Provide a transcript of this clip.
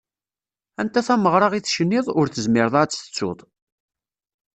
Anta tameɣra i tecniḍ, ur tezmireḍ ara ad tt-tettuḍ?